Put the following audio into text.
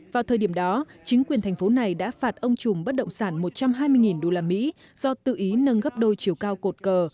vào thời điểm đó chính quyền thành phố này đã phạt ông chùm bất động sản một trăm hai mươi usd do tự ý nâng gấp đôi chiều cao cột cờ